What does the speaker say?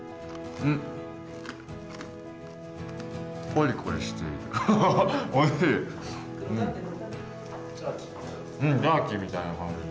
うんジャーキーみたいな感じで。